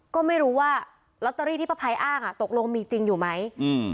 ก็ไม่รู้ว่าลอตเตอรี่ที่ป้าภัยอ้างอ่ะตกลงมีจริงอยู่ไหมอืม